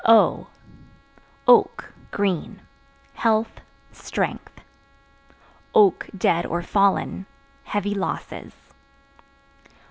O Oak (Green) health, strength; (dead or fallen) heavy losses.